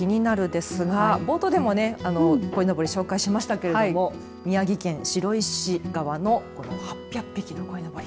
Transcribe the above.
ですが冒頭でもこいのぼり紹介しましたけど宮城県白石川の８００匹のこいのぼり。